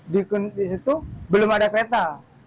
di situ belum ada peta